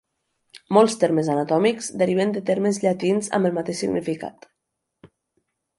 Molts termes anatòmics deriven de termes llatins amb el mateix significat.